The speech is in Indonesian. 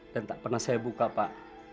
dan tak pernah saya buka pak